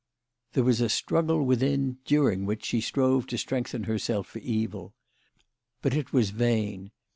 There was a struggle within, during which she strove to strengthen herself for evil. But it was vain.